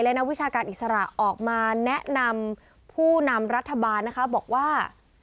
และนักวิชาการอิสระออกมาแนะนำผู้นำรัฐบาลนะคะบอกว่า